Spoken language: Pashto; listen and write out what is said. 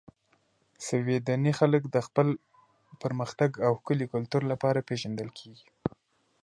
سویدني خلک د خپل پرمختګ او ښکلي کلتور لپاره پېژندل کیږي.